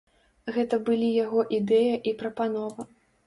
Гэта былі яго ідэя і прапанова.